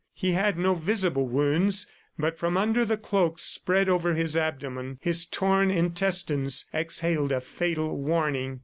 He had no visible wounds, but from under the cloak spread over his abdomen his torn intestines exhaled a fatal warning.